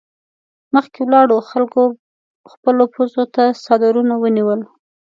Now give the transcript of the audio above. مخکې ولاړو خلکو خپلو پزو ته څادرونه ونيول.